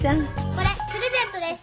これプレゼントです。